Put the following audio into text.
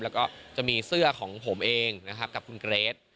แล้วก็จะมีเสื้อของผมเองนะครับกับคุณเกรท